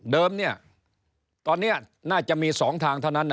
เดิมเนี่ยตอนนี้น่าจะมีสองทางเท่านั้น